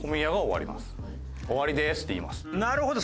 なるほど。